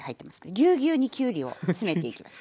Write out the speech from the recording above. ぎゅうぎゅうにきゅうりを詰めていきます。